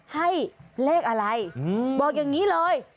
ให้เลขอะไรบอกอย่างนี้เลย